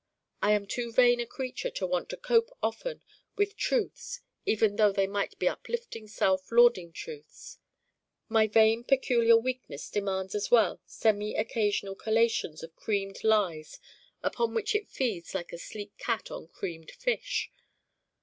I am too vain a creature to want to cope often with truths even though they might be uplifting self lauding truths. My vain peculiar Weakness demands as well semi occasional collations of creamed lies upon which it feeds like a sleek cat on creamed fish.